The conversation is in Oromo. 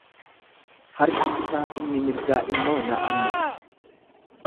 harki isaa inni mirgaa immoo na ammata.